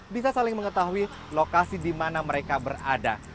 bisa saling mengetahui lokasi di mana mereka berada